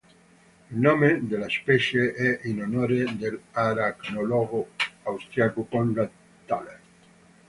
Il nome della specie è in onore dell'aracnologo austriaco Konrad Thaler.